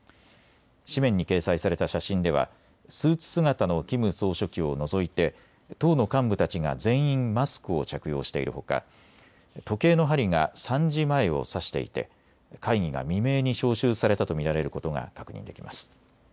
紙面に掲載された写真ではスーツ姿のキム総書記を除いて党の幹部たちが全員マスクを着用しているほか時計の針が３時前を指していて会議が未明に招集されたと見られることが確認できます。